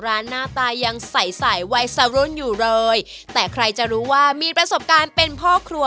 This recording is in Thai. เค้าทำอย่างไรและใส่อะไรด้วยครับ